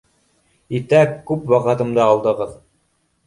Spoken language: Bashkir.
Итәк, күп ваҡытымды алдығыҙ!